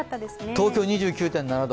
東京２９．７度。